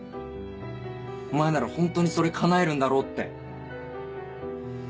お前ならホントにそれ叶えるんだろうって。